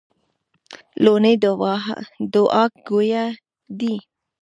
لوڼي دوعا ګویه دي.